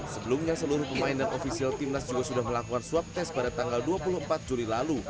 sebelumnya seluruh pemain dan ofisial timnas juga sudah melakukan swab test pada tanggal dua puluh empat juli lalu